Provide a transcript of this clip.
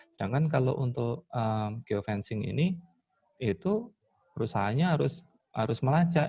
sedangkan kalau untuk geofencing ini itu perusahaannya harus melacak